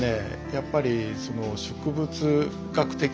やっぱりその植物学的な。